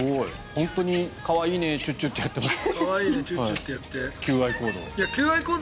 本当に可愛いねチュッチュってやってますね求愛行動。